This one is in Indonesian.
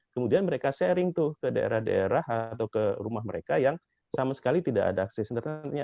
kemudian mereka sharing tuh ke daerah daerah atau ke rumah mereka yang sama sekali tidak ada akses internetnya